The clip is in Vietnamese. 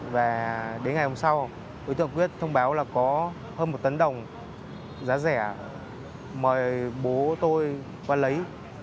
và đến ngày hôm sau đối tượng quyết thông báo là có hơn một tấn đồng giá rẻ mời bố tôi qua lấy